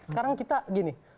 sekarang kita gini